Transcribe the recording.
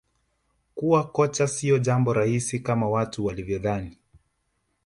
kuwa kocha sio jambo rahisi kama watu wanavyodhani